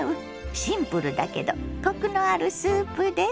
シンプルだけどコクのあるスープです。